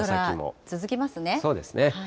そうですね。